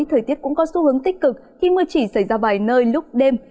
thời tiết cũng có xu hướng tích cực khi mưa chỉ xảy ra vài nơi lúc đêm